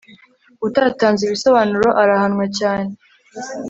utatanze ibisobanuro arahanwa cyane